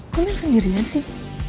kok mel sendirian sih